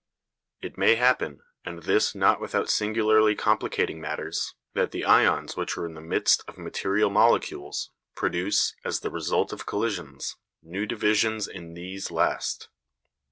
It may happen, and this not without singularly complicating matters, that the ions which were in the midst of material molecules produce, as the result of collisions, new divisions in these last.